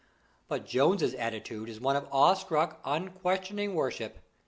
But Jones's attitude is one of awestruck unquestioning worship.